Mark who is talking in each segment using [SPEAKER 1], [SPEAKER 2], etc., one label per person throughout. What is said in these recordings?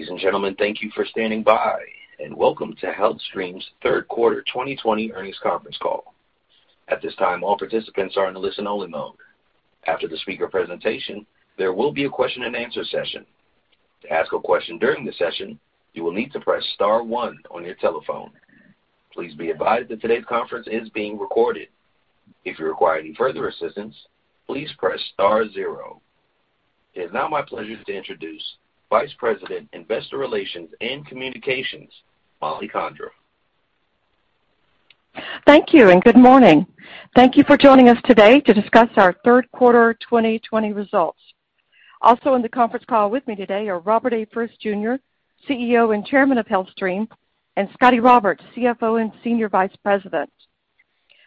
[SPEAKER 1] Ladies and gentlemen, thank you for standing by, and welcome to HealthStream's third quarter 2020 earnings conference call. At this time, all participants are in listen-only mode. After the speaker presentation, there will be a question-and-answer session. To ask a question during the session, you will need to press star one on your telephone. Please be advised that today's conference is being recorded. If you require any further assistance, please press star zero. It is now my pleasure to introduce Vice President, Investor Relations and Communications, Mollie Condra.
[SPEAKER 2] Thank you, and good morning. Thank you for joining us today to discuss our third quarter 2020 results. Also on the conference call with me today are Robert A. Frist Jr., CEO and Chairman of HealthStream, and Scotty Roberts, CFO and Senior Vice President.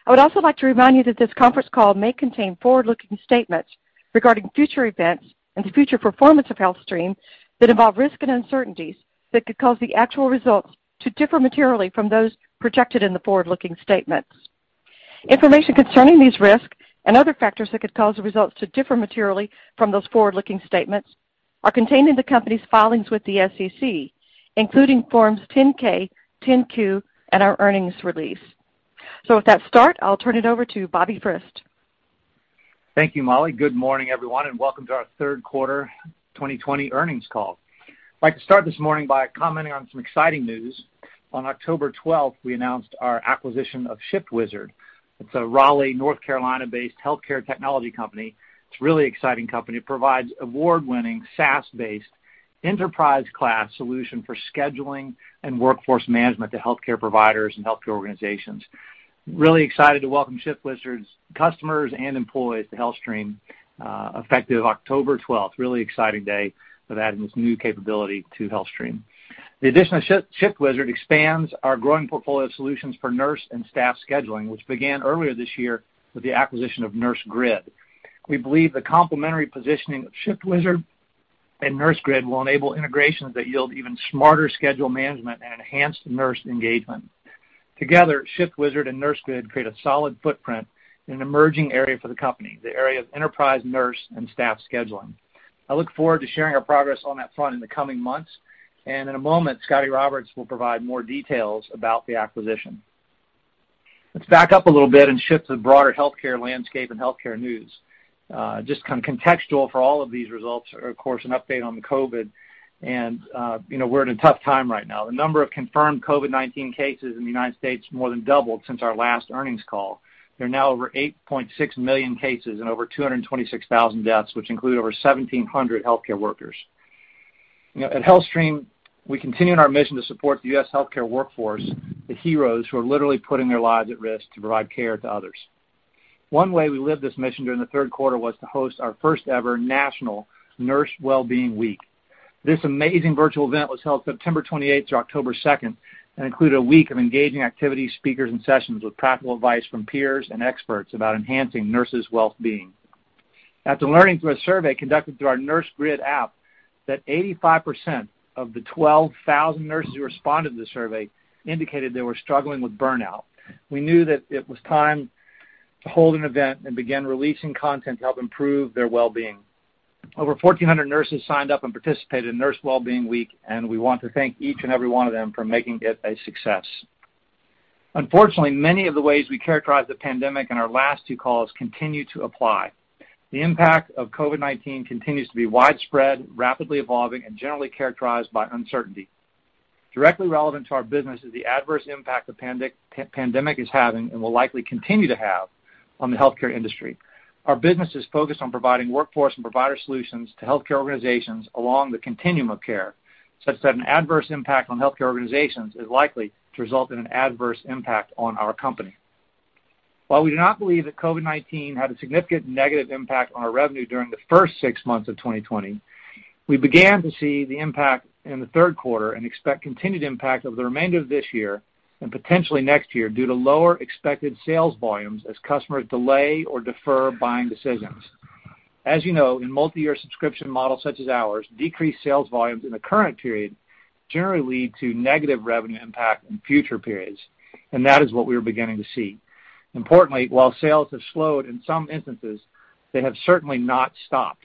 [SPEAKER 2] I would also like to remind you that this conference call may contain forward-looking statements regarding future events and the future performance of HealthStream that involve risk and uncertainties that could cause the actual results to differ materially from those projected in the forward-looking statements. Information concerning these risks and other factors that could cause the results to differ materially from those forward-looking statements are contained in the company's filings with the SEC, including Forms 10-K, 10-Q, and our earnings release. With that start, I'll turn it over to Bobby Frist.
[SPEAKER 3] Thank you, Mollie. Good morning, everyone, and welcome to our third quarter 2020 earnings call. I'd like to start this morning by commenting on some exciting news. On October 12th, we announced our acquisition of ShiftWizard. It's a Raleigh, North Carolina-based healthcare technology company. It's a really exciting company. It provides award-winning, SaaS-based enterprise-class solution for scheduling and workforce management to healthcare providers and healthcare organizations. Really excited to welcome ShiftWizard's customers and employees to HealthStream, effective October 12th. Really exciting day of adding this new capability to HealthStream. The addition of ShiftWizard expands our growing portfolio of solutions for nurse and staff scheduling, which began earlier this year with the acquisition of Nursegrid. We believe the complementary positioning of ShiftWizard and Nursegrid will enable integrations that yield even smarter schedule management and enhanced nurse engagement. Together, ShiftWizard and Nursegrid create a solid footprint in an emerging area for the company, the area of enterprise nurse and staff scheduling. I look forward to sharing our progress on that front in the coming months. In a moment, Scotty Roberts will provide more details about the acquisition. Let's back up a little bit and shift to the broader healthcare landscape and healthcare news. Just kind of contextual for all of these results, of course, an update on the COVID. We're in a tough time right now. The number of confirmed COVID-19 cases in the United States more than doubled since our last earnings call. There are now over 8.6 million cases and over 226,000 deaths, which include over 1,700 healthcare workers. At HealthStream, we continue in our mission to support the U.S. healthcare workforce, the heroes who are literally putting their lives at risk to provide care to others. One way we lived this mission during the third quarter was to host our first ever national Nurse Wellbeing Week. This amazing virtual event was held September 28th through October 2nd and included a week of engaging activities, speakers, and sessions with practical advice from peers and experts about enhancing nurses' well-being. After learning through a survey conducted through our Nursegrid app that 85% of the 12,000 nurses who responded to the survey indicated they were struggling with burnout, we knew that it was time to hold an event and begin releasing content to help improve their well-being. Over 1,400 nurses signed up and participated in Nurse Wellbeing Week, and we want to thank each and every one of them for making it a success. Unfortunately, many of the ways we characterize the pandemic in our last two calls continue to apply. The impact of COVID-19 continues to be widespread, rapidly evolving, and generally characterized by uncertainty. Directly relevant to our business is the adverse impact the pandemic is having and will likely continue to have on the healthcare industry. Our business is focused on providing Workforce and Provider Solutions to healthcare organizations along the continuum of care, such that an adverse impact on healthcare organizations is likely to result in an adverse impact on our company. While we do not believe that COVID-19 had a significant negative impact on our revenue during the first six months of 2020, we began to see the impact in the third quarter and expect continued impact over the remainder of this year and potentially next year due to lower expected sales volumes as customers delay or defer buying decisions. As you know, in multi-year subscription models such as ours, decreased sales volumes in the current period generally lead to negative revenue impact in future periods, and that is what we are beginning to see. Importantly, while sales have slowed in some instances, they have certainly not stopped.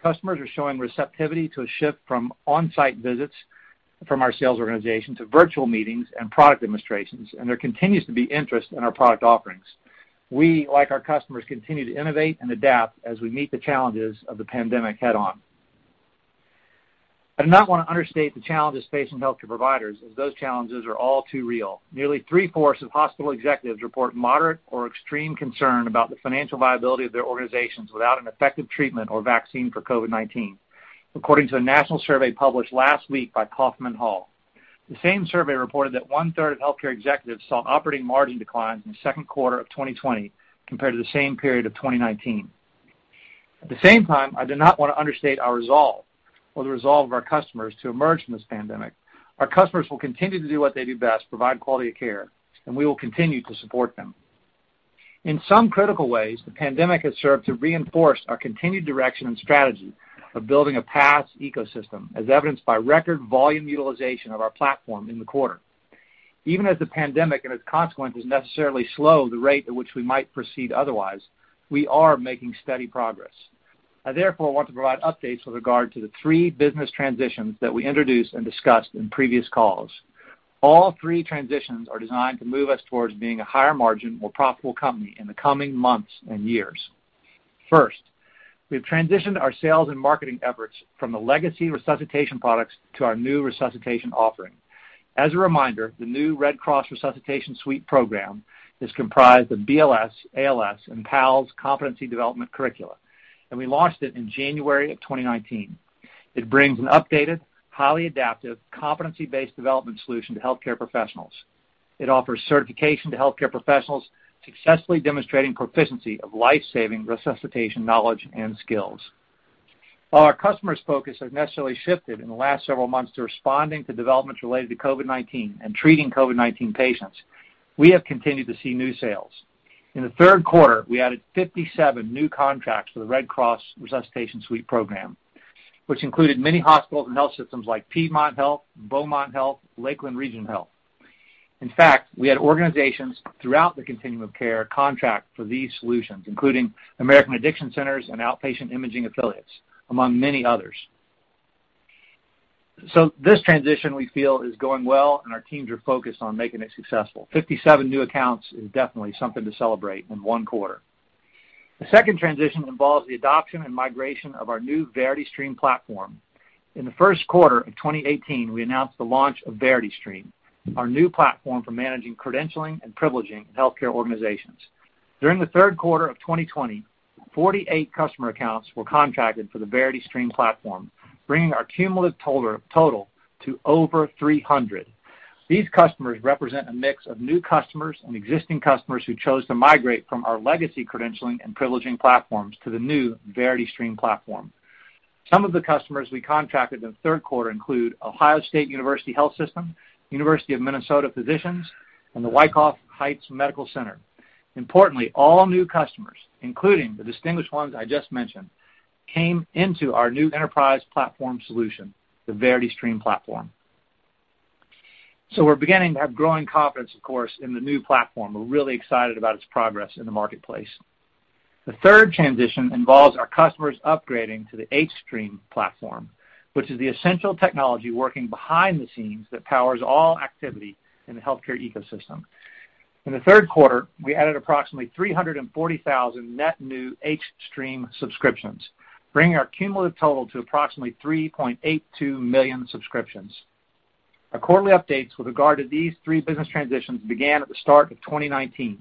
[SPEAKER 3] Customers are showing receptivity to a shift from on-site visits from our sales organization to virtual meetings and product demonstrations, and there continues to be interest in our product offerings. We, like our customers, continue to innovate and adapt as we meet the challenges of the pandemic head-on. I do not want to understate the challenges facing healthcare providers, as those challenges are all too real. Nearly 3/4 of hospital executives report moderate or extreme concern about the financial viability of their organizations without an effective treatment or vaccine for COVID-19, according to a national survey published last week by Kaufman Hall. The same survey reported that one-third of healthcare executives saw operating margin declines in the second quarter of 2020 compared to the same period of 2019. At the same time, I do not want to understate our resolve or the resolve of our customers to emerge from this pandemic. Our customers will continue to do what they do best, provide quality of care, and we will continue to support them. In some critical ways, the pandemic has served to reinforce our continued direction and strategy of building a PaaS ecosystem, as evidenced by record volume utilization of our platform in the quarter. As the pandemic, and its consequence, has necessarily slowed the rate at which we might proceed otherwise, we are making steady progress. I therefore want to provide updates with regard to the three business transitions that we introduced and discussed in previous calls. All three transitions are designed to move us towards being a higher margin, more profitable company in the coming months and years. First, we've transitioned our sales and marketing efforts from the legacy resuscitation products to our new resuscitation offering. As a reminder, the new Red Cross Resuscitation Suite program is comprised of BLS, ALS, and PALS competency development curricula, and we launched it in January of 2019. It brings an updated, highly adaptive, competency-based development solution to healthcare professionals. It offers certification to healthcare professionals successfully demonstrating proficiency of life-saving resuscitation knowledge and skills. While our customer's focus has necessarily shifted in the last several months to responding to developments related to COVID-19 and treating COVID-19 patients, we have continued to see new sales. In the third quarter, we added 57 new contracts for the Red Cross Resuscitation Suite program, which included many hospitals and health systems like Piedmont Healthcare, Beaumont Health, Lakeland Regional Health. In fact, we had organizations throughout the continuum of care contract for these solutions, including American Addiction Centers and Outpatient Imaging Affiliates, among many others. This transition, we feel, is going well, and our teams are focused on making it successful. 57 new accounts is definitely something to celebrate in one quarter. The second transition involves the adoption and migration of our new VerityStream platform. In the first quarter of 2018, we announced the launch of VerityStream, our new platform for managing credentialing and privileging in healthcare organizations. During the third quarter of 2020, 48 customer accounts were contracted for the VerityStream platform, bringing our cumulative total to over 300. These customers represent a mix of new customers and existing customers who chose to migrate from our legacy credentialing and privileging platforms to the new VerityStream platform. Some of the customers we contracted in the third quarter include Ohio State University Health System, University of Minnesota Physicians, and the Wyckoff Heights Medical Center. Importantly, all new customers, including the distinguished ones I just mentioned, came into our new enterprise platform solution, the VerityStream platform. We're beginning to have growing confidence, of course, in the new platform. We're really excited about its progress in the marketplace. The third transition involves our customers upgrading to the hStream platform, which is the essential technology working behind the scenes that powers all activity in the healthcare ecosystem. In the third quarter, we added approximately 340,000 net new hStream subscriptions, bringing our cumulative total to approximately 3.82 million subscriptions. Our quarterly updates with regard to these three business transitions began at the start of 2019,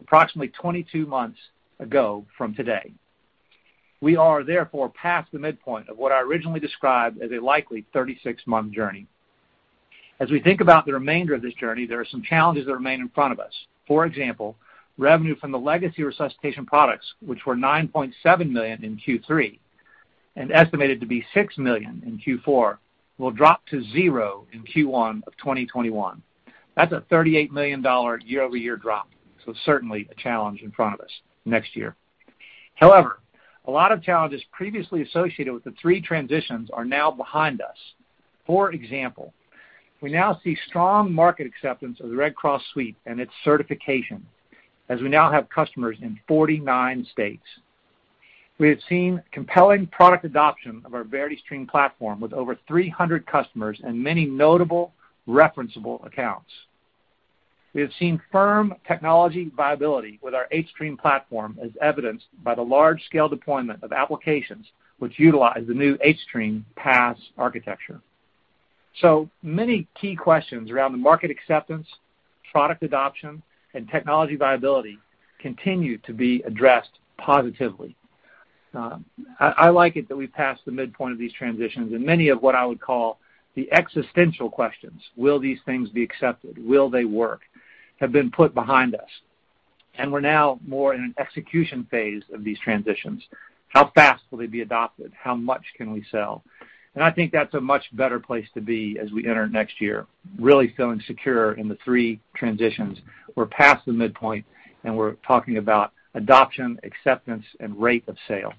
[SPEAKER 3] approximately 22 months ago from today. We are therefore past the midpoint of what I originally described as a likely 36-month journey. As we think about the remainder of this journey, there are some challenges that remain in front of us. For example, revenue from the legacy resuscitation products, which were $9.7 million in Q3 and estimated to be $6 million in Q4, will drop to 0 in Q1 of 2021. That's a $38 million year-over-year drop, certainly a challenge in front of us next year. However, a lot of challenges previously associated with the three transitions are now behind us. For example, we now see strong market acceptance of the Red Cross Suite and its certification, as we now have customers in 49 states. We have seen compelling product adoption of our VerityStream platform, with over 300 customers and many notable referenceable accounts. We have seen firm technology viability with our hStream platform, as evidenced by the large-scale deployment of applications which utilize the new hStream PaaS architecture. Many key questions around the market acceptance, product adoption, and technology viability continue to be addressed positively. I like it that we've passed the midpoint of these transitions, and many of what I would call the existential questions, Will these things be accepted? Will they work? Have been put behind us, and we're now more in an execution phase of these transitions. How fast will they be adopted? How much can we sell? I think that's a much better place to be as we enter next year, really feeling secure in the three transitions. We're past the midpoint, and we're talking about adoption, acceptance, and rate of sale.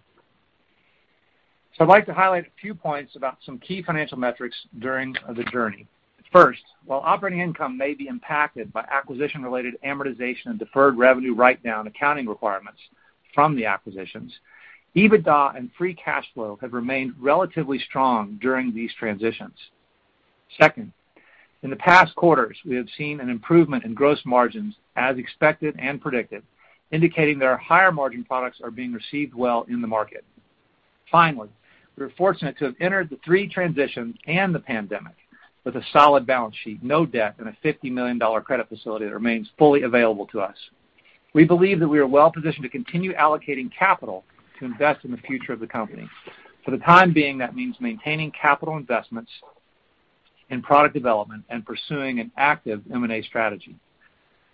[SPEAKER 3] I'd like to highlight a few points about some key financial metrics during the journey. First, while operating income may be impacted by acquisition-related amortization and deferred revenue writedown accounting requirements from the acquisitions, EBITDA and free cash flow have remained relatively strong during these transitions. Second, in the past quarters, we have seen an improvement in gross margins as expected and predicted, indicating that our higher-margin products are being received well in the market. We're fortunate to have entered the three transitions and the pandemic with a solid balance sheet, no debt, and a $50 million credit facility that remains fully available to us. We believe that we are well-positioned to continue allocating capital to invest in the future of the company. For the time being, that means maintaining capital investments in product development and pursuing an active M&A strategy.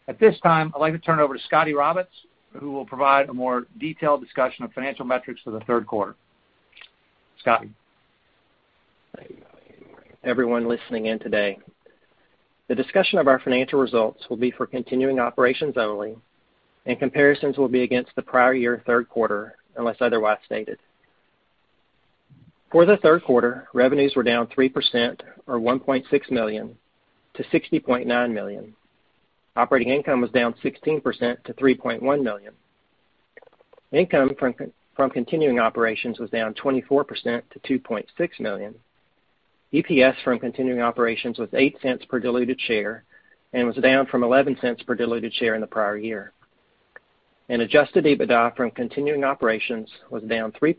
[SPEAKER 3] At this time, I'd like to turn it over to Scotty Roberts, who will provide a more detailed discussion of financial metrics for the third quarter. Scotty?
[SPEAKER 4] Thank you. Good morning everyone listening in today. The discussion of our financial results will be for continuing operations only, and comparisons will be against the prior year third quarter, unless otherwise stated. For the third quarter, revenues were down 3%, or $1.6 million, to $60.9 million. Operating income was down 16% to $3.1 million. Income from continuing operations was down 24% to $2.6 million. EPS from continuing operations was $0.08 per diluted share and was down from $0.11 per diluted share in the prior year. Adjusted EBITDA from continuing operations was down 3%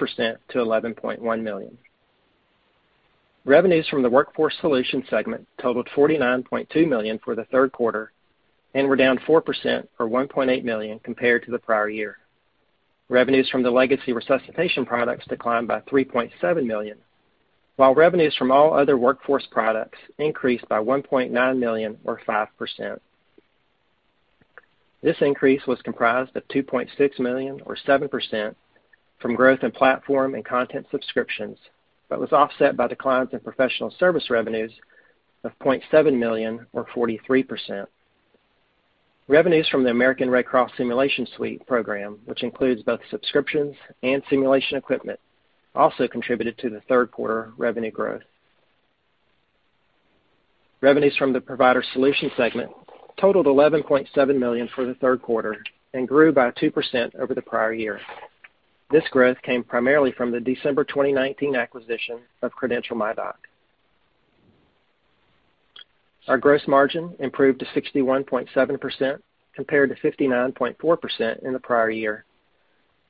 [SPEAKER 4] to $11.1 million. Revenues from the Workforce Solutions segment totaled $49.2 million for the third quarter and were down 4%, or $1.8 million, compared to the prior year. Revenues from the legacy resuscitation products declined by $3.7 million, while revenues from all other workforce products increased by $1.9 million, or 5%. This increase was comprised of $2.6 million, or 7%, from growth in platform and content subscriptions, but was offset by declines in professional service revenues of $0.7 million, or 43%. Revenues from the American Red Cross Resuscitation Suite program, which includes both subscriptions and simulation equipment, also contributed to the third quarter revenue growth. Revenues from the Provider Solutions segment totaled $11.7 million for the third quarter and grew by 2% over the prior year. This growth came primarily from the December 2019 acquisition of CredentialMyDoc. Our gross margin improved to 61.7%, compared to 59.4% in the prior year.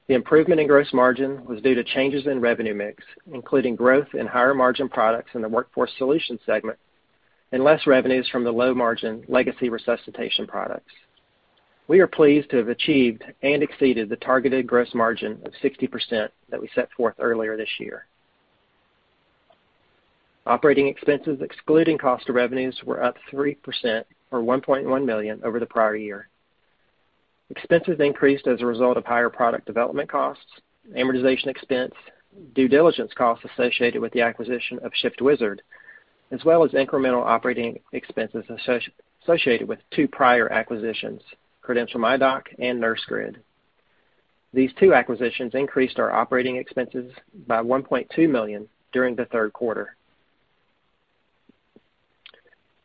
[SPEAKER 4] The improvement in gross margin was due to changes in revenue mix, including growth in higher margin products in the Workforce Solutions segment and less revenues from the low-margin legacy resuscitation products. We are pleased to have achieved and exceeded the targeted gross margin of 60% that we set forth earlier this year. Operating expenses, excluding cost of revenues, were up 3%, or $1.1 million, over the prior year. Expenses increased as a result of higher product development costs, amortization expense, due diligence costs associated with the acquisition of ShiftWizard, as well as incremental operating expenses associated with two prior acquisitions, CredentialMyDoc and Nursegrid. These two acquisitions increased our operating expenses by $1.2 million during the third quarter.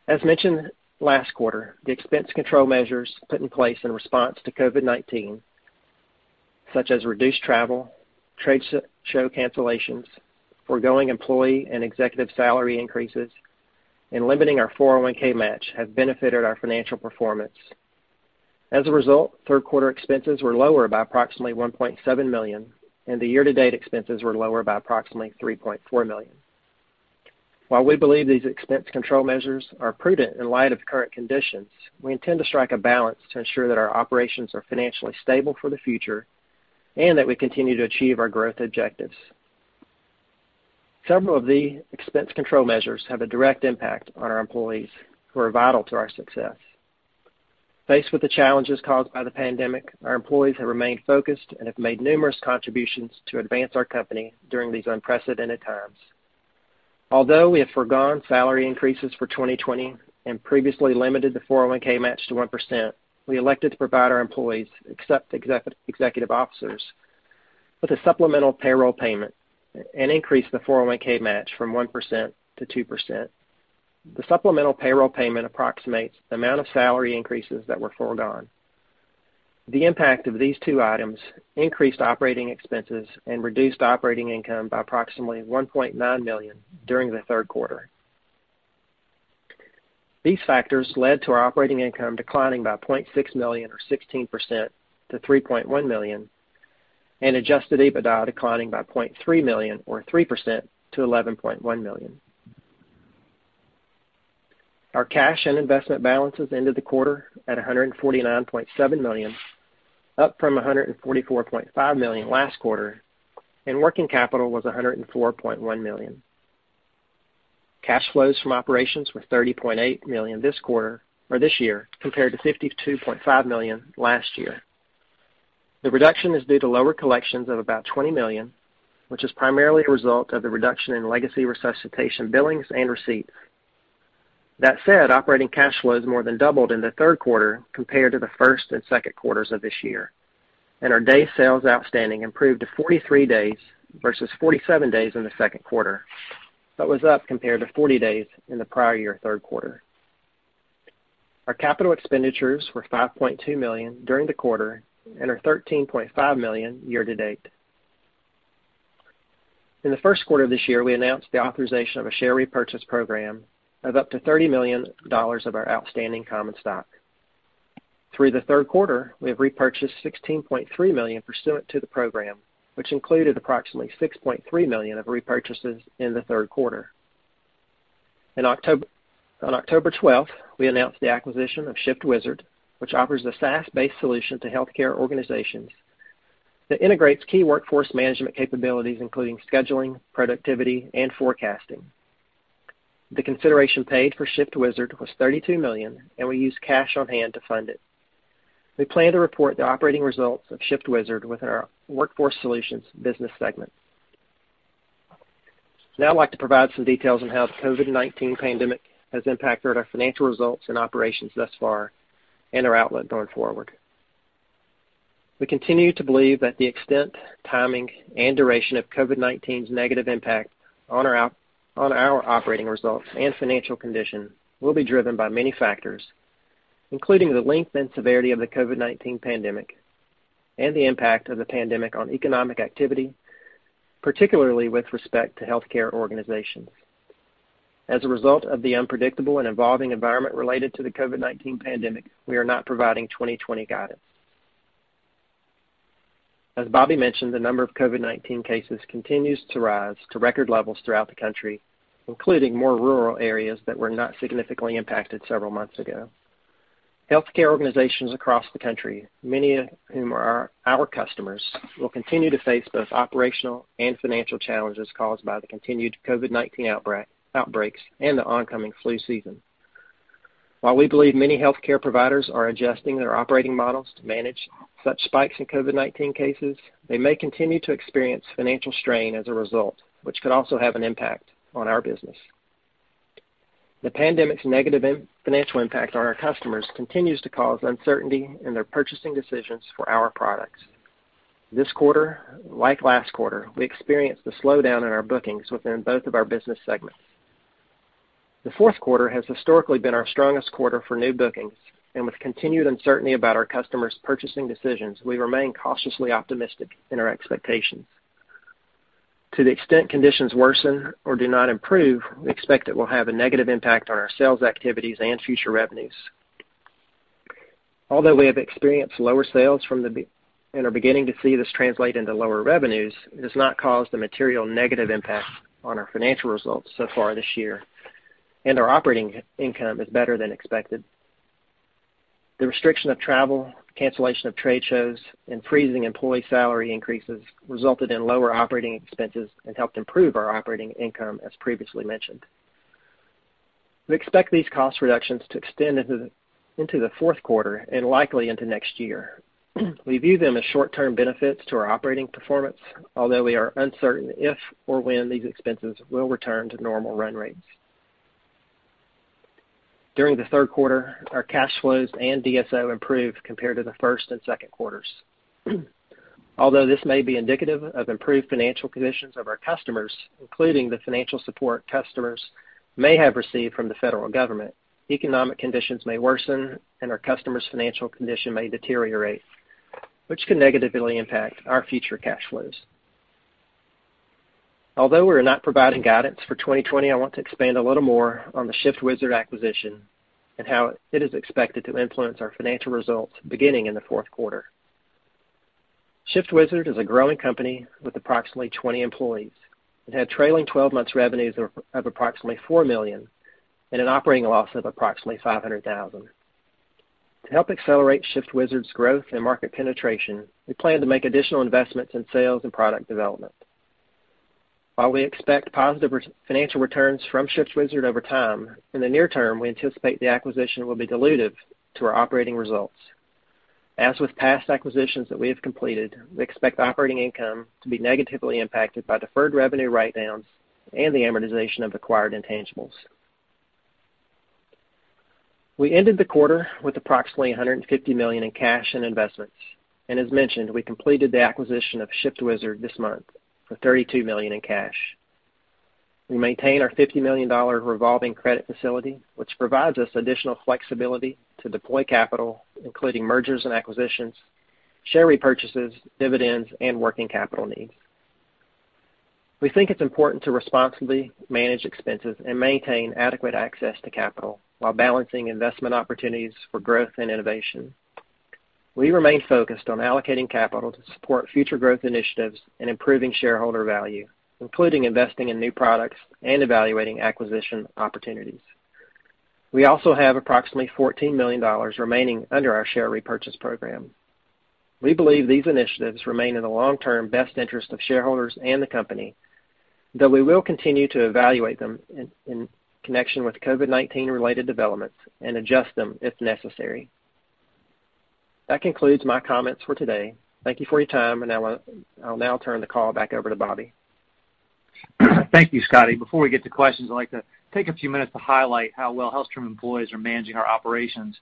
[SPEAKER 4] As mentioned last quarter, the expense control measures put in place in response to COVID-19, such as reduced travel, trade show cancellations, foregoing employee and executive salary increases, and limiting our 401 match, have benefited our financial performance. As a result, third quarter expenses were lower by approximately $1.7 million, and the year-to-date expenses were lower by approximately $3.4 million. While we believe these expense control measures are prudent in light of current conditions, we intend to strike a balance to ensure that our operations are financially stable for the future and that we continue to achieve our growth objectives. Several of the expense control measures have a direct impact on our employees who are vital to our success. Faced with the challenges caused by the pandemic, our employees have remained focused and have made numerous contributions to advance our company during these unprecedented times. Although we have forgone salary increases for 2020 and previously limited the 401k match to 1%, we elected to provide our employees, except executive officers, with a supplemental payroll payment and increase the 401k match from 1% to 2%. The supplemental payroll payment approximates the amount of salary increases that were foregone. The impact of these two items increased operating expenses and reduced operating income by approximately $1.9 million during the third quarter. These factors led to our operating income declining by $0.6 million, or 16%, to $3.1 million, and adjusted EBITDA declining by $0.3 million, or 3%, to $11.1 million. Our cash and investment balances ended the quarter at $149.7 million, up from $144.5 million last quarter, and working capital was $104.1 million. Cash flows from operations were $30.8 million this year, compared to $52.5 million last year. The reduction is due to lower collections of about $20 million, which is primarily a result of the reduction in legacy resuscitation billings and receipts. That said, operating cash flow has more than doubled in the third quarter compared to the first and second quarters of this year, and our days sales outstanding improved to 43 days versus 47 days in the second quarter, but was up compared to 40 days in the prior year third quarter. Our capital expenditures were $5.2 million during the quarter and are $13.5 million year-to-date. In the first quarter of this year, we announced the authorization of a share repurchase program of up to $30 million of our outstanding common stock. Through the third quarter, we have repurchased $16.3 million pursuant to the program, which included approximately $6.3 million of repurchases in the third quarter. On October 12th, we announced the acquisition of ShiftWizard, which offers a SaaS-based solution to healthcare organizations that integrates key workforce management capabilities, including scheduling, productivity, and forecasting. The consideration paid for ShiftWizard was $32 million, and we used cash on hand to fund it. We plan to report the operating results of ShiftWizard within our Workforce Solutions business segment. Now I'd like to provide some details on how the COVID-19 pandemic has impacted our financial results and operations thus far and our outlook going forward. We continue to believe that the extent, timing, and duration of COVID-19's negative impact on our operating results and financial condition will be driven by many factors, including the length and severity of the COVID-19 pandemic and the impact of the pandemic on economic activity, particularly with respect to healthcare organizations. As a result of the unpredictable and evolving environment related to the COVID-19 pandemic, we are not providing 2020 guidance. As Bobby mentioned, the number of COVID-19 cases continues to rise to record levels throughout the country, including more rural areas that were not significantly impacted several months ago. Healthcare organizations across the country, many of whom are our customers, will continue to face both operational and financial challenges caused by the continued COVID-19 outbreaks and the oncoming flu season. While we believe many healthcare providers are adjusting their operating models to manage such spikes in COVID-19 cases, they may continue to experience financial strain as a result, which could also have an impact on our business. The pandemic's negative financial impact on our customers continues to cause uncertainty in their purchasing decisions for our products. This quarter, like last quarter, we experienced a slowdown in our bookings within both of our business segments. The fourth quarter has historically been our strongest quarter for new bookings. With continued uncertainty about our customers' purchasing decisions, we remain cautiously optimistic in our expectations. To the extent conditions worsen or do not improve, we expect it will have a negative impact on our sales activities and future revenues. Although we have experienced lower sales and are beginning to see this translate into lower revenues, it has not caused a material negative impact on our financial results so far this year, and our operating income is better than expected. The restriction of travel, cancellation of trade shows, and freezing employee salary increases resulted in lower operating expenses and helped improve our operating income, as previously mentioned. We expect these cost reductions to extend into the fourth quarter and likely into next year. We view them as short-term benefits to our operating performance, although we are uncertain if or when these expenses will return to normal run rates. During the third quarter, our cash flows and DSO improved compared to the first and second quarters. Although this may be indicative of improved financial conditions of our customers, including the financial support customers may have received from the federal government, economic conditions may worsen and our customers' financial condition may deteriorate, which could negatively impact our future cash flows. Although we're not providing guidance for 2020, I want to expand a little more on the ShiftWizard acquisition and how it is expected to influence our financial results beginning in the fourth quarter. ShiftWizard is a growing company with approximately 20 employees. It had trailing 12 months revenues of approximately $4 million and an operating loss of approximately $500,000. To help accelerate ShiftWizard's growth and market penetration, we plan to make additional investments in sales and product development. While we expect positive financial returns from ShiftWizard over time, in the near term, we anticipate the acquisition will be dilutive to our operating results. As with past acquisitions that we have completed, we expect operating income to be negatively impacted by deferred revenue write-downs and the amortization of acquired intangibles. As mentioned, we ended the quarter with approximately $150 million in cash and investments. As mentioned, we completed the acquisition of ShiftWizard this month for $32 million in cash. We maintain our $50 million revolving credit facility, which provides us additional flexibility to deploy capital, including mergers and acquisitions, share repurchases, dividends, and working capital needs. We think it's important to responsibly manage expenses and maintain adequate access to capital while balancing investment opportunities for growth and innovation. We remain focused on allocating capital to support future growth initiatives and improving shareholder value, including investing in new products and evaluating acquisition opportunities. We also have approximately $14 million remaining under our share repurchase program. We believe these initiatives remain in the long-term best interest of shareholders and the company, though we will continue to evaluate them in connection with COVID-19 related developments and adjust them if necessary. That concludes my comments for today. Thank you for your time, and I'll now turn the call back over to Bobby.
[SPEAKER 3] Thank you, Scotty. Before we get to questions, I'd like to take a few minutes to highlight how well HealthStream employees are managing our operations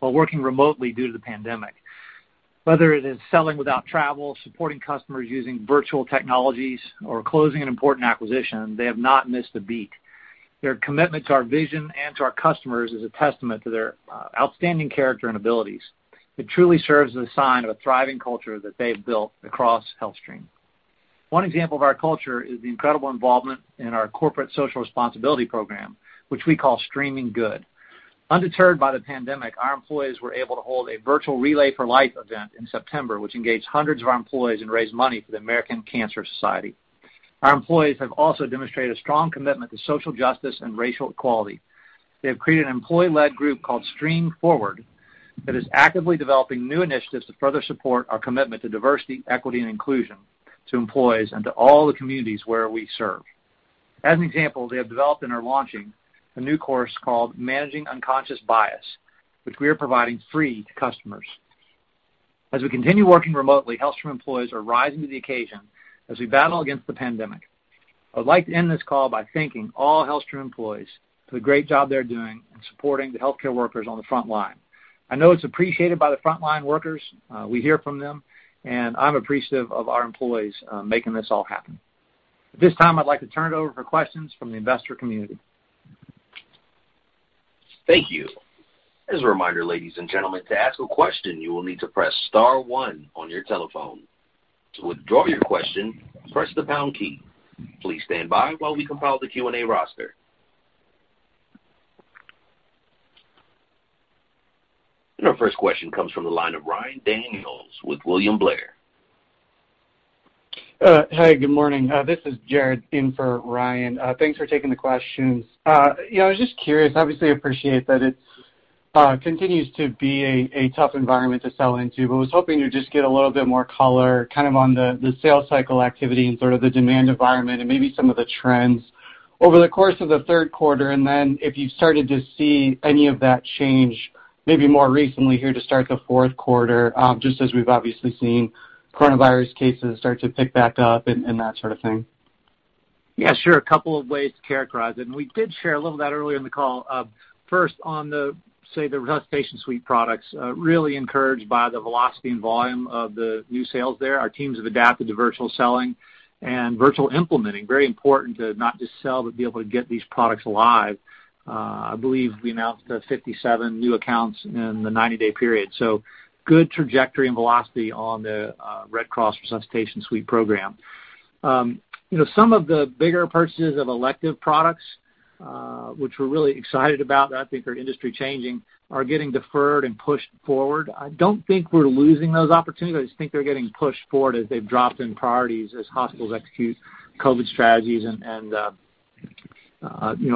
[SPEAKER 3] while working remotely due to the pandemic. Whether it is selling without travel, supporting customers using virtual technologies, or closing an important acquisition, they have not missed a beat. Their commitment to our vision and to our customers is a testament to their outstanding character and abilities. It truly serves as a sign of a thriving culture that they've built across HealthStream. One example of our culture is the incredible involvement in our corporate social responsibility program, which we call Streaming Good. Undeterred by the pandemic, our employees were able to hold a virtual Relay For Life event in September, which engaged hundreds of our employees and raised money for the American Cancer Society. Our employees have also demonstrated a strong commitment to social justice and racial equality. They have created an employee-led group called Stream Forward that is actively developing new initiatives to further support our commitment to diversity, equity, and inclusion to employees and to all the communities where we serve. As an example, they have developed and are launching a new course called Managing Unconscious Bias, which we are providing free to customers. As we continue working remotely, HealthStream employees are rising to the occasion as we battle against the pandemic. I would like to end this call by thanking all HealthStream employees for the great job they're doing in supporting the healthcare workers on the front line. I know it's appreciated by the front line workers. We hear from them, and I'm appreciative of our employees making this all happen. At this time, I'd like to turn it over for questions from the investor community.
[SPEAKER 1] Thank you. As a reminder, ladies and gentlemen, to ask a question, you will need to press star one on your telephone. To withdraw your question, press the pound key. Please stand by while we compile the Q&A roster. Our first question comes from the line of Ryan Daniels with William Blair.
[SPEAKER 5] Hi, good morning. This is Jared in for Ryan. Thanks for taking the questions. I was just curious, obviously appreciate that it continues to be a tough environment to sell into, but was hoping to just get a little bit more color on the sales cycle activity and sort of the demand environment and maybe some of the trends over the course of the third quarter, and then if you've started to see any of that change, maybe more recently here to start the fourth quarter, just as we've obviously seen coronavirus cases start to pick back up and that sort of thing.
[SPEAKER 3] Yeah, sure. A couple of ways to characterize it, and we did share a little of that earlier in the call. First on the, say, the Resuscitation Suite products, really encouraged by the velocity and volume of the new sales there. Our teams have adapted to virtual selling and virtual implementing. Very important to not just sell, but be able to get these products live. I believe I announced 57 new accounts in the 90-day period. Good trajectory and velocity on the Red Cross Resuscitation Suite program. Some of the bigger purchases of elective products, which we're really excited about and I think are industry changing, are getting deferred and pushed forward. I don't think we're losing those opportunities. I just think they're getting pushed forward as they've dropped in priorities as hospitals execute COVID strategies and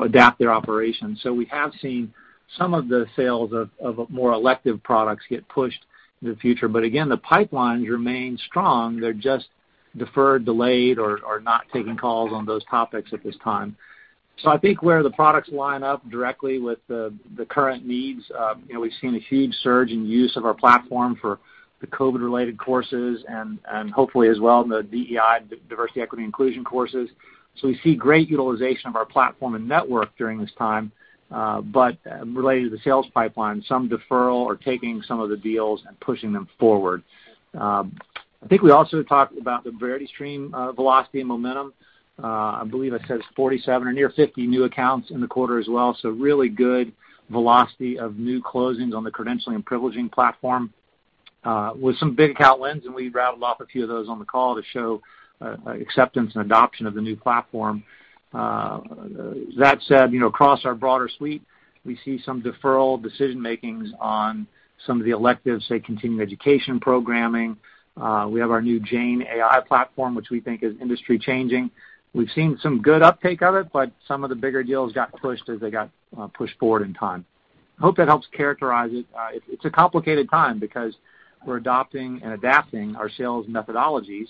[SPEAKER 3] adapt their operations. We have seen some of the sales of more elective products get pushed into the future. Again, the pipelines remain strong. They're just deferred, delayed, or not taking calls on those topics at this time. I think where the products line up directly with the current needs, we've seen a huge surge in use of our platform for the COVID-related courses and hopefully as well in the DEI, diversity, equity, inclusion courses. We see great utilization of our platform and network during this time, but related to the sales pipeline, some deferral or taking some of the deals and pushing them forward. I think we also talked about the VerityStream velocity and momentum. I believe I said it's 47 or near 50 new accounts in the quarter as well. Really good velocity of new closings on the credentialing and privileging platform with some big account wins, and we rattled off a few of those on the call to show acceptance and adoption of the new platform. That said, across our broader suite, we see some deferral decision-makings on some of the electives, say, continuing education programming. We have our new Jane AI platform, which we think is industry changing. We've seen some good uptake of it, but some of the bigger deals got pushed as they got pushed forward in time. I hope that helps characterize it. It's a complicated time because we're adopting and adapting our sales methodologies.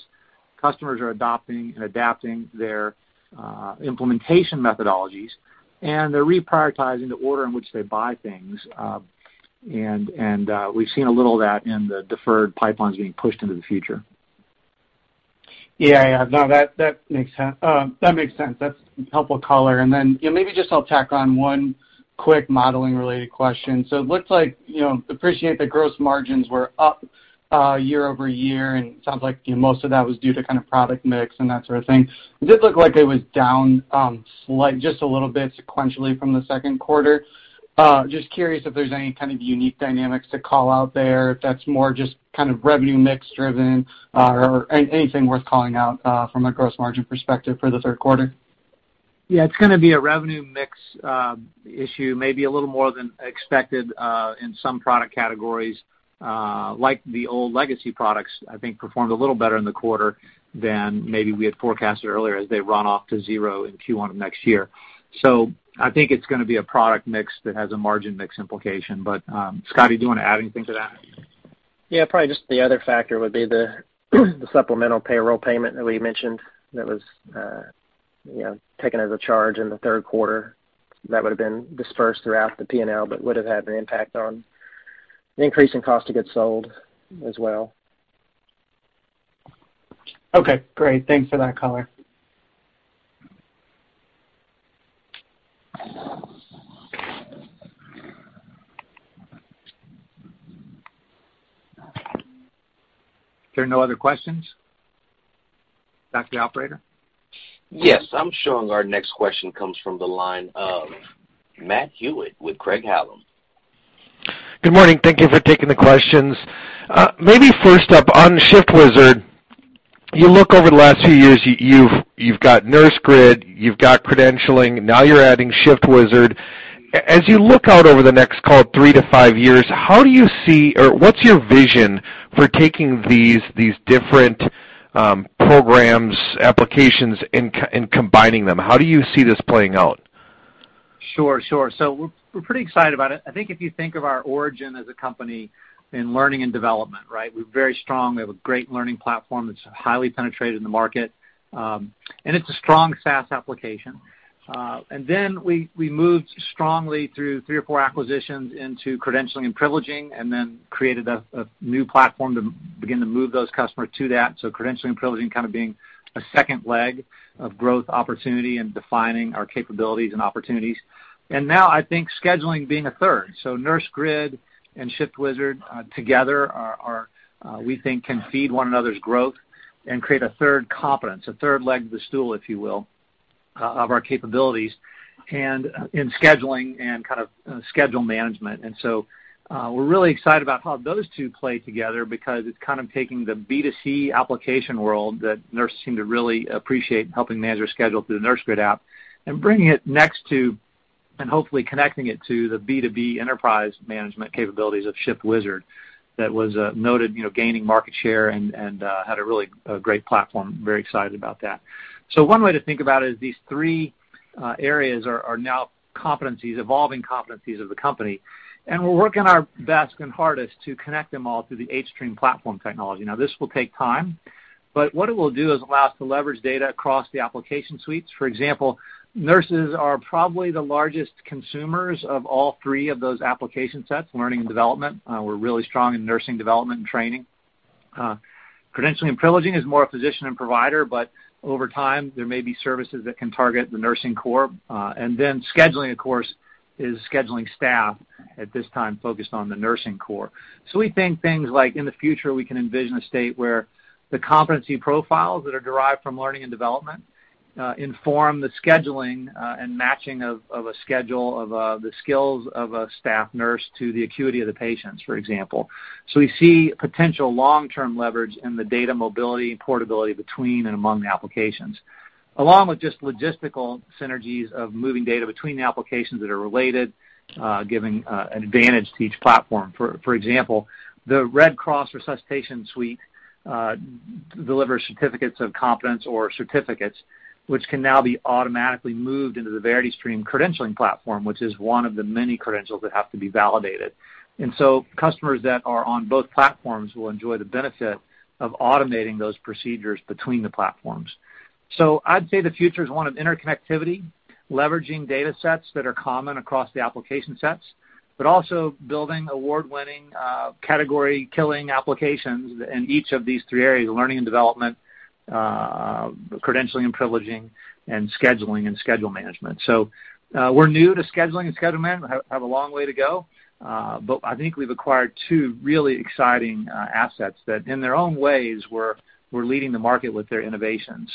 [SPEAKER 3] Customers are adopting and adapting their implementation methodologies, and they're reprioritizing the order in which they buy things. We've seen a little of that in the deferred pipelines being pushed into the future.
[SPEAKER 5] Yeah. No, that makes sense. That's helpful color. Maybe just I'll tack on one quick modeling-related question. It looks like, appreciate that gross margins were up year-over-year, and it sounds like most of that was due to kind of product mix and that sort of thing. It did look like it was down slight, just a little bit sequentially from the second quarter. Just curious if there's any kind of unique dynamics to call out there, if that's more just kind of revenue mix driven or anything worth calling out from a gross margin perspective for the third quarter.
[SPEAKER 3] Yeah, it's going to be a revenue mix issue, maybe a little more than expected, in some product categories. The old legacy products, I think performed a little better in the quarter than maybe we had forecasted earlier as they run off to zero in Q1 of next year. I think it's going to be a product mix that has a margin mix implication. Scotty, do you want to add anything to that?
[SPEAKER 4] Yeah, probably just the other factor would be the supplemental payroll payment that we mentioned that was taken as a charge in the third quarter. That would've been dispersed throughout the P&L, but would've had an impact on the increase in cost of goods sold as well.
[SPEAKER 5] Okay, great. Thanks for that color.
[SPEAKER 3] If there are no other questions. Back to the operator.
[SPEAKER 1] Yes. I'm showing our next question comes from the line of Matt Hewitt with Craig-Hallum.
[SPEAKER 6] Good morning. Thank you for taking the questions. Maybe first up on ShiftWizard, you look over the last few years, you've got Nursegrid, you've got credentialing, now you're adding ShiftWizard. As you look out over the next, call it three to five years, how do you see or what's your vision for taking these different programs, applications and combining them? How do you see this playing out?
[SPEAKER 3] Sure. We're pretty excited about it. I think if you think of our origin as a company in learning and development, right? We're very strong. We have a great learning platform that's highly penetrated in the market. It's a strong SaaS application. We moved strongly through three or four acquisitions into credentialing and privileging and then created a new platform to begin to move those customers to that. Credentialing and privileging kind of being a second leg of growth opportunity and defining our capabilities and opportunities. Now I think scheduling being a third. Nursegrid and ShiftWizard together we think can feed one another's growth and create a third competence, a third leg of the stool, if you will, of our capabilities and in scheduling and schedule management. We're really excited about how those two play together because it's kind of taking the B2C application world that nurses seem to really appreciate helping manage their schedule through the Nursegrid app and bringing it next to, and hopefully connecting it to, the B2B enterprise management capabilities of ShiftWizard. That was noted gaining market share and had a really great platform. Very excited about that. One way to think about it is these three areas are now competencies, evolving competencies of the company, and we're working our best and hardest to connect them all through the hStream platform technology. This will take time, but what it will do is allow us to leverage data across the application suites. For example, nurses are probably the largest consumers of all three of those application sets. Learning and development, we're really strong in nursing development and training. Credentialing and privileging is more physician and provider, but over time there may be services that can target the nursing corps. Scheduling, of course, is scheduling staff, at this time focused on the nursing corps. We think things like in the future we can envision a state where the competency profiles that are derived from learning and development inform the scheduling and matching of a schedule of the skills of a staff nurse to the acuity of the patients, for example. We see potential long-term leverage in the data mobility and portability between and among the applications, along with just logistical synergies of moving data between the applications that are related, giving an advantage to each platform. For example, the American Red Cross Resuscitation Suite delivers certificates of competence or certificates which can now be automatically moved into the VerityStream credentialing platform, which is one of the many credentials that have to be validated. Customers that are on both platforms will enjoy the benefit of automating those procedures between the platforms. I'd say the future is one of interconnectivity, leveraging data sets that are common across the application sets, but also building award-winning, category-killing applications in each of these three areas, learning and development, credentialing and privileging, and scheduling and schedule management. We're new to scheduling and schedule management, have a long way to go. I think we've acquired two really exciting assets that in their own ways were leading the market with their innovation.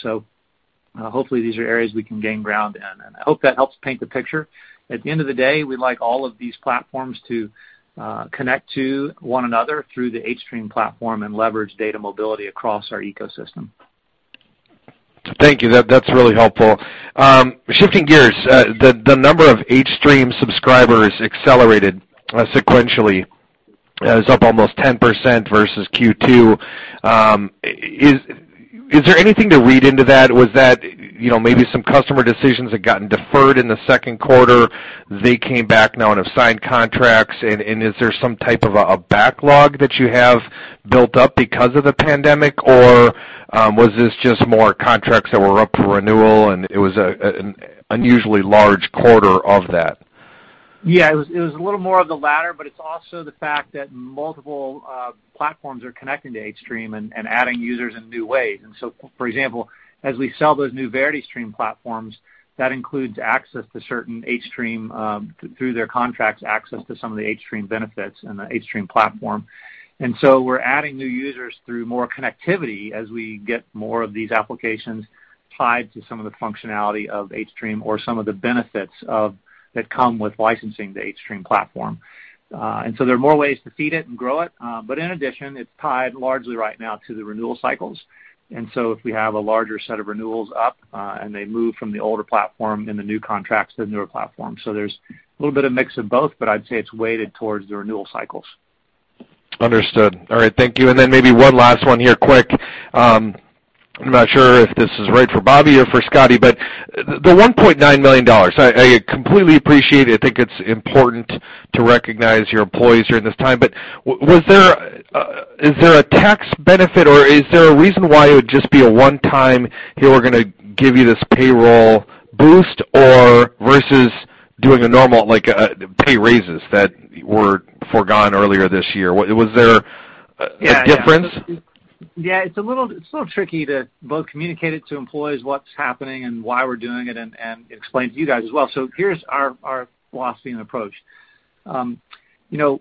[SPEAKER 3] Hopefully these are areas we can gain ground in, and I hope that helps paint the picture. At the end of the day, we'd like all of these platforms to connect to one another through the hStream platform and leverage data mobility across our ecosystem.
[SPEAKER 6] Thank you. That's really helpful. Shifting gears, the number of hStream subscribers accelerated sequentially. It was up almost 10% versus Q2. Is there anything to read into that? Was that maybe some customer decisions had gotten deferred in the second quarter, they came back now and have signed contracts? Is there some type of a backlog that you have built up because of the pandemic, or was this just more contracts that were up for renewal and it was an unusually large quarter of that?
[SPEAKER 3] Yeah, it was a little more of the latter, but it's also the fact that multiple platforms are connecting to hStream and adding users in new ways. For example, as we sell those new VerityStream platforms, that includes access to certain hStream, through their contracts, access to some of the hStream benefits and the hStream platform. We're adding new users through more connectivity as we get more of these applications tied to some of the functionality of hStream or some of the benefits that come with licensing the hStream platform. There are more ways to feed it and grow it. In addition, it's tied largely right now to the renewal cycles. If we have a larger set of renewals up and they move from the older platform in the new contracts to the newer platform. There's a little bit of mix of both, but I'd say it's weighted towards the renewal cycles.
[SPEAKER 6] Understood. All right, thank you. Maybe one last one here quick. I'm not sure if this is right for Bobby or for Scotty, the $1.9 million, I completely appreciate it. I think it's important to recognize your employees during this time. Is there a tax benefit or is there a reason why it would just be a one-time, Hey, we're going to give you this payroll boost, or versus doing a normal pay raises that were forgone earlier this year? Was there a difference?
[SPEAKER 3] Yeah. It's a little tricky to both communicate it to employees what's happening and why we're doing it and explain to you guys as well. Here's our philosophy and approach.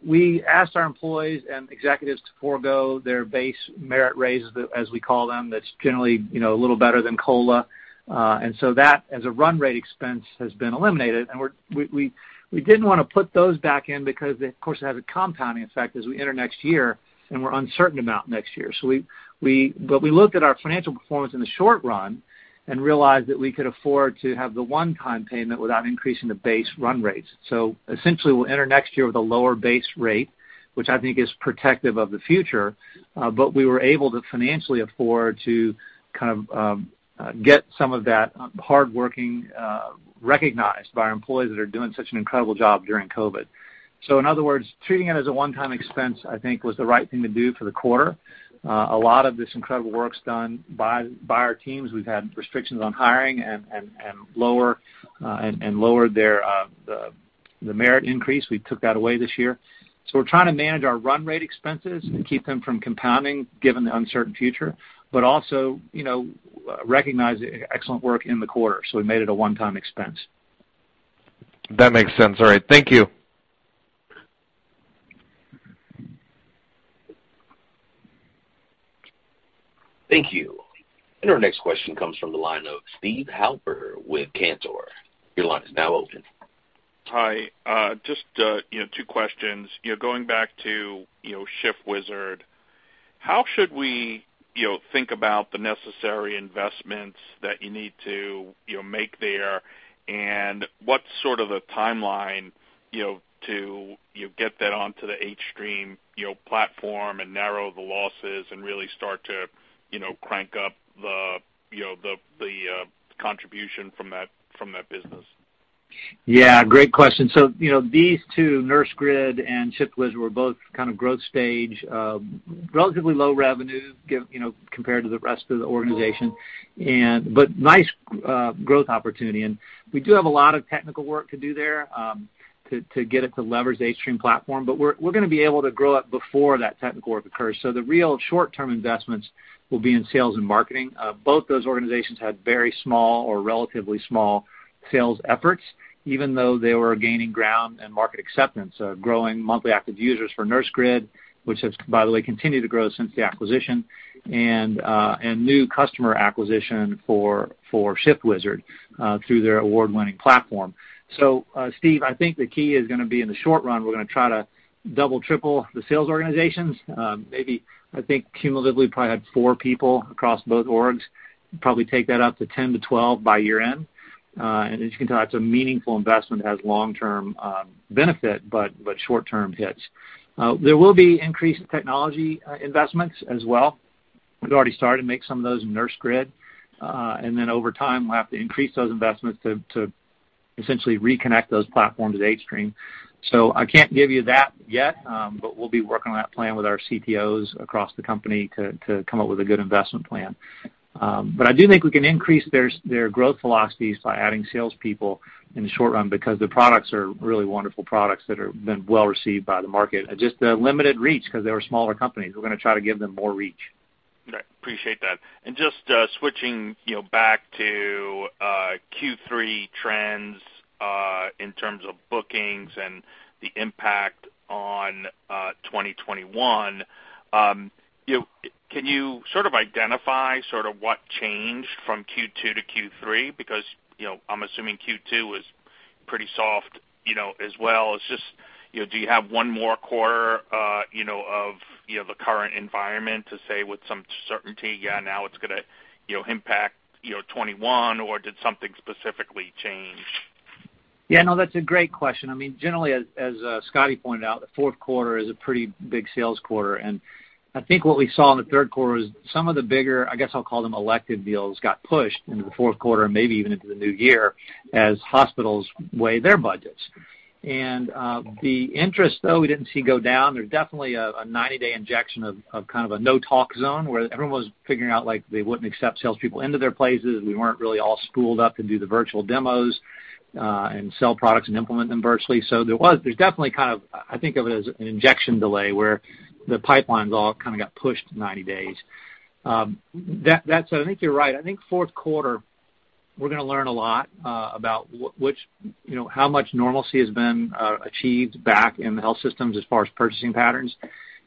[SPEAKER 3] We asked our employees and executives to forego their base merit raises, as we call them, that's generally a little better than COLA. That as a run rate expense has been eliminated. We didn't want to put those back in because it of course has a compounding effect as we enter next year and we're uncertain about next year. We looked at our financial performance in the short run and realized that we could afford to have the one-time payment without increasing the base run rates. Essentially we'll enter next year with a lower base rate, which I think is protective of the future. We were able to financially afford to get some of that hardworking recognized by our employees that are doing such an incredible job during COVID. In other words, treating it as a one-time expense I think was the right thing to do for the quarter. A lot of this incredible work's done by our teams. We've had restrictions on hiring and lowered the merit increase. We took that away this year. We're trying to manage our run rate expenses and keep them from compounding given the uncertain future, but also recognize the excellent work in the quarter. We made it a one-time expense.
[SPEAKER 6] That makes sense. All right, thank you.
[SPEAKER 1] Thank you. Our next question comes from the line of Steve Halper with Cantor. Your line is now open.
[SPEAKER 7] Hi. Just two questions. Going back to ShiftWizard, how should we think about the necessary investments that you need to make there? What's sort of the timeline to get that onto the hStream platform and narrow the losses and really start to crank up the contribution from that business?
[SPEAKER 3] Yeah, great question. These two, Nursegrid and ShiftWizard, were both kind of growth stage, relatively low revenue compared to the rest of the organization. Nice growth opportunity. We do have a lot of technical work to do there to get it to leverage the hStream platform, but we're going to be able to grow it before that technical work occurs. The real short-term investments will be in sales and marketing. Both those organizations had very small or relatively small sales efforts, even though they were gaining ground and market acceptance, growing monthly active users for Nursegrid, which has, by the way, continued to grow since the acquisition, and new customer acquisition for ShiftWizard through their award-winning platform. Steve, I think the key is going to be in the short run, we're going to try to double, triple the sales organizations. Maybe I think cumulatively probably had four people across both orgs. Probably take that up to 10 to 12 by year-end. As you can tell, that's a meaningful investment, has long-term benefit, but short-term hits. There will be increased technology investments as well. We've already started to make some of those in Nursegrid. Over time, we'll have to increase those investments to essentially reconnect those platforms to hStream. I can't give you that yet, but we'll be working on that plan with our CPOs across the company to come up with a good investment plan. I do think we can increase their growth velocities by adding salespeople in the short run because the products are really wonderful products that have been well-received by the market. Just a limited reach because they were smaller companies. We're going to try to give them more reach.
[SPEAKER 7] Right. Appreciate that. Just switching back to Q3 trends in terms of bookings and the impact on 2021, can you sort of identify what changed from Q2 to Q3? I'm assuming Q2 was pretty soft as well. It's just do you have one more quarter of the current environment to say with some certainty now it's going to impact 2021, or did something specifically change?
[SPEAKER 3] Yeah, no, that's a great question. I mean, generally, as Scotty pointed out, the fourth quarter is a pretty big sales quarter, and I think what we saw in the third quarter is some of the bigger, I guess I'll call them elective deals, got pushed into the fourth quarter and maybe even into the new year as hospitals weigh their budgets. The interest, though, we didn't see go down. There's definitely a 90-day injection of kind of a no-talk zone where everyone was figuring out, like they wouldn't accept salespeople into their places. We weren't really all spooled up to do the virtual demos and sell products and implement them virtually. There's definitely kind of I think of it as an injection delay where the pipelines all kind of got pushed 90 days. I think you're right. I think fourth quarter we're going to learn a lot about how much normalcy has been achieved back in the health systems as far as purchasing patterns.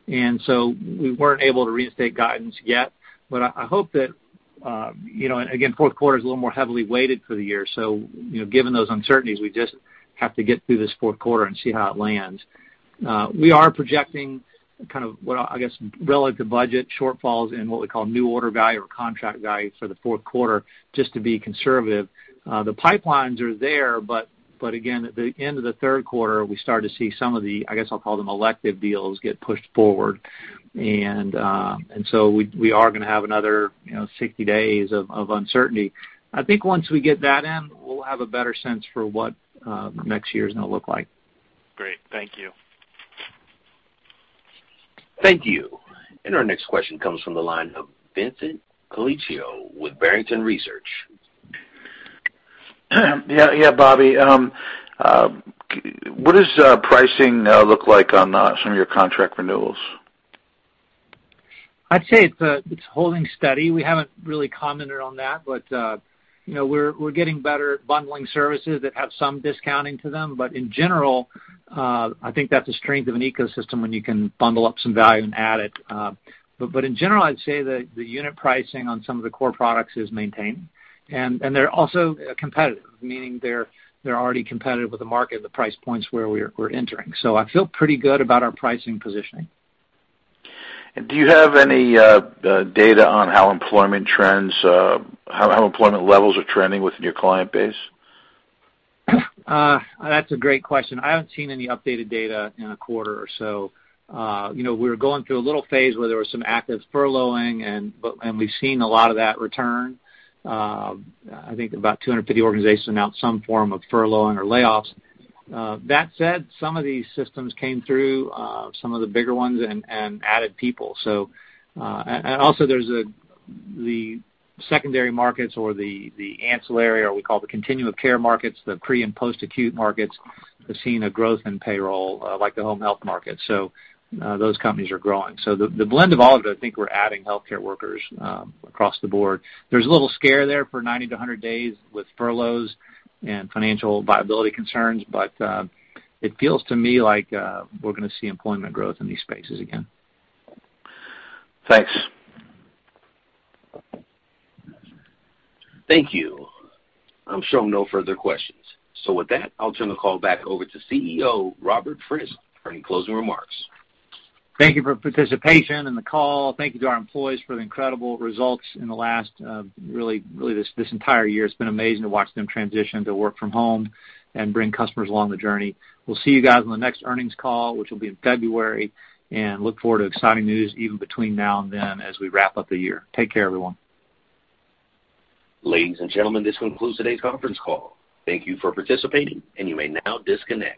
[SPEAKER 3] We weren't able to reinstate guidance yet. I hope that again, fourth quarter is a little more heavily weighted for the year. Given those uncertainties, we just have to get through this fourth quarter and see how it lands. We are projecting kind of what I guess, relative budget shortfalls in what we call new order value or contract value for the fourth quarter, just to be conservative. The pipelines are there, but again, at the end of the third quarter, we started to see some of the, I guess I'll call them elective deals, get pushed forward. We are going to have another 60 days of uncertainty. I think once we get that in, we'll have a better sense for what next year is going to look like.
[SPEAKER 7] Great. Thank you.
[SPEAKER 1] Thank you. Our next question comes from the line of Vincent Colicchio with Barrington Research.
[SPEAKER 8] Yeah. Bobby, what does pricing look like on some of your contract renewals?
[SPEAKER 3] I'd say it's holding steady. We haven't really commented on that, but we're getting better at bundling services that have some discounting to them. In general, I think that's a strength of an ecosystem when you can bundle up some value and add it. In general, I'd say that the unit pricing on some of the core products is maintained, and they're also competitive, meaning they're already competitive with the market at the price points where we're entering. I feel pretty good about our pricing positioning.
[SPEAKER 8] Do you have any data on how employment levels are trending within your client base?
[SPEAKER 3] That's a great question. I haven't seen any updated data in a quarter or so. We were going through a little phase where there was some active furloughing, and we've seen a lot of that return. I think about 250 organizations announced some form of furloughing or layoffs. That said, some of these systems came through, some of the bigger ones, and added people. Also there's the secondary markets or the ancillary, or we call the continuum of care markets, the pre and post-acute markets, have seen a growth in payroll, like the home health market. Those companies are growing. The blend of all of it, I think we're adding healthcare workers across the board. There was a little scare there for 90 to 100 days with furloughs and financial viability concerns. It feels to me like we're going to see employment growth in these spaces again.
[SPEAKER 8] Thanks.
[SPEAKER 1] Thank you. I'm showing no further questions. With that, I'll turn the call back over to CEO Robert Frist for any closing remarks.
[SPEAKER 3] Thank you for participation in the call. Thank you to our employees for the incredible results in the last really this entire year. It's been amazing to watch them transition to work from home and bring customers along the journey. We'll see you guys on the next earnings call, which will be in February, and look forward to exciting news even between now and then as we wrap up the year. Take care, everyone.
[SPEAKER 1] Ladies and gentlemen, this concludes today's conference call. Thank you for participating. You may now disconnect.